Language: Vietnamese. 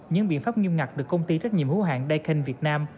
những biện pháp nghiêm ngặt được công ty trách nhiệm hữu hạng daken việt nam